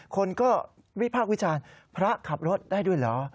คนก็วิพากษ์วิจารณ์พระขับรถได้ด้วยเหรอ